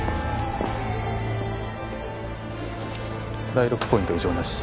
第６ポイント異状なし。